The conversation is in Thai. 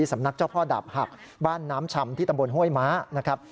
สำนักเจ้าพ่อดาบหักบ้านน้ำชำที่ตำบลห้วยม้านะครับ